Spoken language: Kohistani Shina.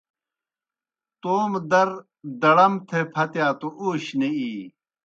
توموْ در دَڑَم تھے پھتِیا توْ اوشیْ نہ اِی۔